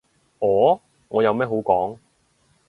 我？我有咩好講？